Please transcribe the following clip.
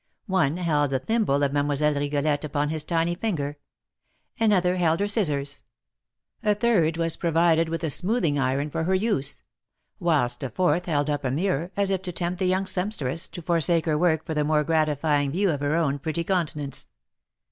One held the thimble of Mlle. Rigolette upon his tiny finger; another held her scissors; a third was provided with a smoothing iron for her use; whilst a fourth held up a mirror, as if to tempt the young sempstress to forsake her work for the more gratifying view of her own pretty countenance.